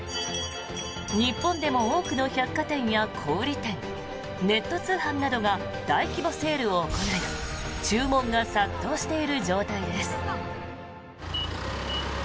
日本でも多くの百貨店や小売店ネット通販などが大規模セールを行い注文が殺到している状態です。